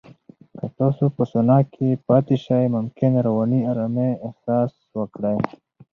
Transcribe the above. که تاسو په سونا کې پاتې شئ، ممکن رواني آرامۍ احساس وکړئ.